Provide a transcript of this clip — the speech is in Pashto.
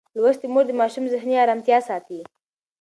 لوستې مور د ماشوم ذهني ارامتیا ساتي.